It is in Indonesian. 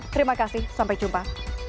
terima kasih sampai jumpa